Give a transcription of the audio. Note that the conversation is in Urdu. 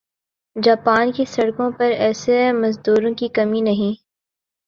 جاپان کی سڑکوں پر ایسے مزدوروں کی کمی نہیں